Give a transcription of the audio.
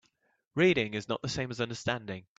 Reading is not the same as understanding.